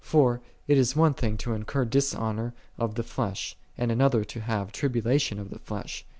For it is one ihing lo incur dishonor of Ihe flesh, and anolher lo have tribulation of the flesh: the 4 i Cor.